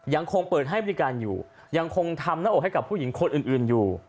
ยังคงเปิดให้บริการอยู่ยังคงทำหน้าอกให้กับผู้หญิงคนอื่นอยู่